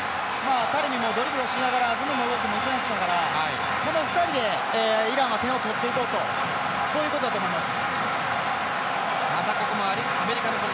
タレミもドリブルをしながらアズムンといきましたからこの２人でイランは点を取っていこうということだと思います。